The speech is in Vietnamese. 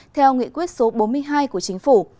theo nghị quyết số bốn mươi hai của chính phủ